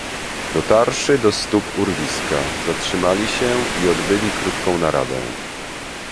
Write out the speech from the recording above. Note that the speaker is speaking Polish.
"Dotarłszy do stóp urwiska zatrzymali się i odbyli krótką naradę."